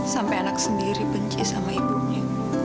sampai anak sendiri benci sama ibunya